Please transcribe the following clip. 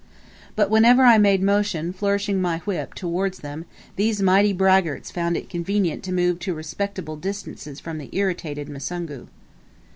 But whenever I made motion, flourishing my whip, towards them, these mighty braggarts found it convenient to move to respectable distances from the irritated Musungu.